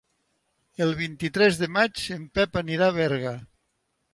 El vint-i-tres de maig en Pep anirà a Berga.